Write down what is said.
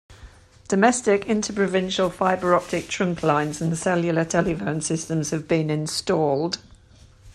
Domestic interprovincial fiber-optic trunk lines and cellular telephone systems have been installed.